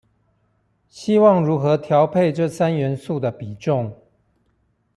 希望如何調配這三元素的比重